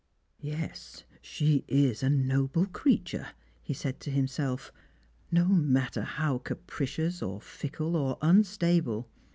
" Yes, she is a noble creature," he said to himself. " No matter how capricious, or fickle, or unstable.